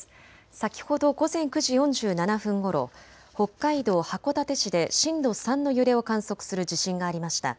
先ほど午前９時４７分ごろ、北海道函館市で震度３の揺れを観測する地震がありました。